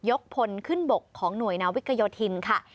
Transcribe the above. พลขึ้นบกของหน่วยนาวิกโยธินค่ะ